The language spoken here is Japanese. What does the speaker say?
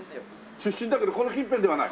出身だけどこの近辺ではない？